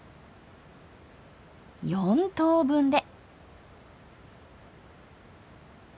４等分で！